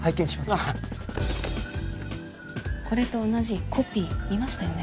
ああこれと同じコピー見ましたよね？